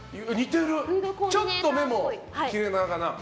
ちょっと目も切れ長な。